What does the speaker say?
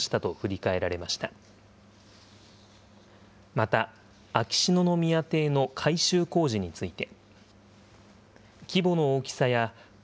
また、秋篠宮邸の改修工事について。